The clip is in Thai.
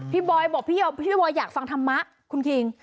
บอยบอกพี่บอยอยากฟังธรรมะคุณคิง